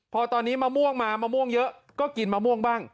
พอตอนนี้มะม่วงมามะม่วงเยอะก็กินมะม่วงบ้าง